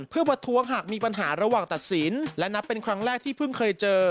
เพื่อประท้วงหากมีปัญหาระหว่างตัดสินและนับเป็นครั้งแรกที่เพิ่งเคยเจอ